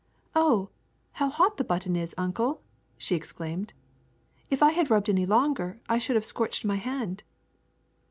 '' Oh, how hot the button is. Uncle !'' she exclaimed. ^' If I had rubbed any longer I should have scorched my hand.